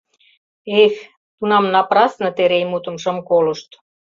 Эх, тунам напрасне Терей мутым шым колышт.